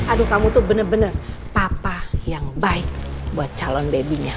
aduh kamu tuh bener bener papa yang baik buat calon baby nya